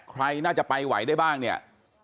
ใครน่าจะไปไหวได้บ้างเนี่ย